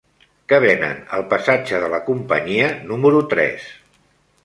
Què venen al passatge de la Companyia número tres?